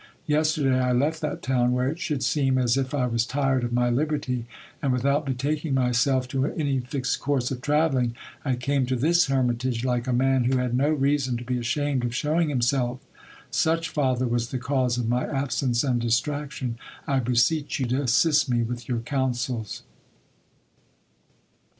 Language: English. Yesterday I left that town, where it should seem as if I was tired of my liberty, and without betaking myself to any fixed course of travelling, I came to this hermitage, like a man who had no reason to be ashamed of shew ing himself. Such, father, was the cause of my absence and distraction. I beseech you to assist me with your counsels.